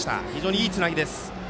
いいつなぎですよ。